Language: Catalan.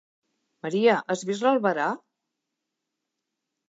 Maria, has vist l'albarà?